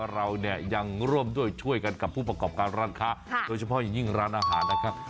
เราเนี่ยยังร่วมด้วยช่วยกันกับผู้ประกอบการร้านค้าโดยเฉพาะอย่างยิ่งร้านอาหารนะครับ